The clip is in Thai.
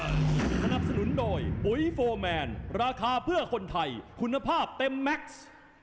สนับสนุนโดยปุ๋ยโฟร์แมนราคาเพื่อคนไทยคุณภาพเต็มแม็กซ์